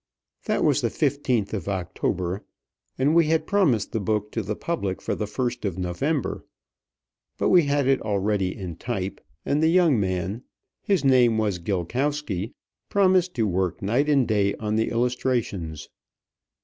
That was the fifteenth of October, and we had promised the book to the public for the first of November, but we had it already in type; and the young man, his name was Gilkowsky, promised to work night and day on the illustrations.